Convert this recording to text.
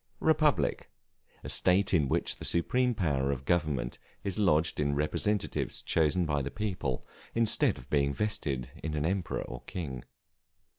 Republic, a state in which the supreme power of government is lodged in representatives chosen by the people, instead of being vested in an emperor or king.